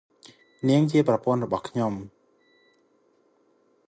នាងជាប្រពន្ធរបស់ខ្ញុំ។